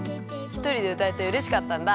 ひとりでうたえてうれしかったんだ。